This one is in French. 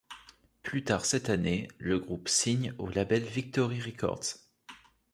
Plus tard cette année, le groupe signe au label Victory Records.